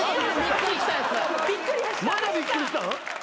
またびっくりしたん？